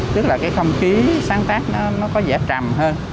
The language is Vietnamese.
tức là cái không khí sáng tác nó có vẻ trầm hơn